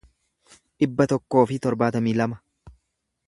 dhibba tokkoo fi torbaatamii lama